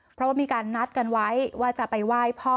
เพราะว่ามีการนัดกันไว้ว่าจะไปไหว้พ่อ